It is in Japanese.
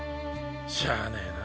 しゃあねぇな。